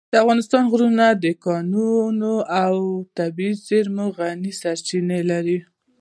د افغانستان غرونه د کانونو او طبیعي زېرمو غني سرچینې لري.